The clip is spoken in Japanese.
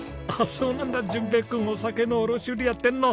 そうなんだ順平君お酒の卸売りやってんの！